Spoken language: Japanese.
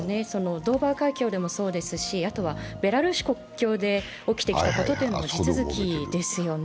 ドーバー海峡でもそうですし、ベラルーシ国境で起きてきたことも地続きですよね。